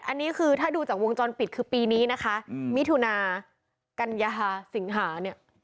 อันนี้คือถ้าดูจากวงจรปิดคือปีนี้นะคะมิถุนากัญญาสิงหาเนี่ย